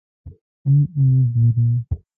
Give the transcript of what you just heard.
مونږ امید لرو